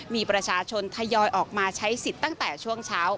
มีประชาชนทยอยออกมาใช้สิทธิ์ตั้งแต่ช่วงเช้า